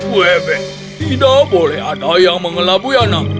wb tidak boleh ada yang mengelabui anak